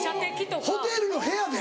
ホテルの部屋で？